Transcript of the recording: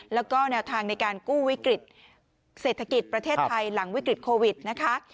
แล้วก็แนวทางในการกู้วิกฤตเศรษฐกิจประเทศไทยหลังวิกฤตโควิดนะคะ